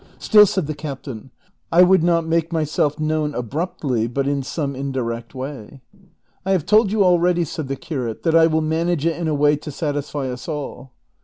" "Still, " said the captain, " I would not make myself known abruptly, but in some indirect way. "" I have told you already, " said the curate, " that I will manage it in a way to satisfy us all.